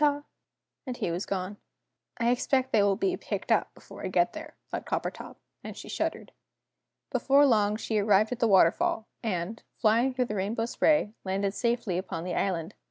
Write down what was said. And he was gone. "I expect they will be 'picked up' before I get there!" thought Coppertop, and she shuddered. Before long she arrived at the waterfall, and, flying through the rainbow spray, landed safely upon the island.